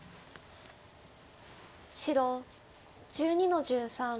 白１２の十三。